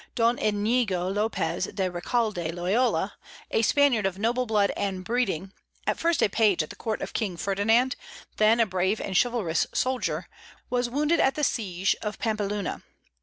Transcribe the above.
Don Iñigo Lopez de Recalde Loyola, a Spaniard of noble blood and breeding, at first a page at the court of King Ferdinand, then a brave and chivalrous soldier, was wounded at the siege of Pampeluna.